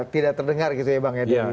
tidak terdengar gitu ya bang edi